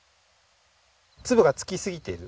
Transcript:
粒が付きすぎてる。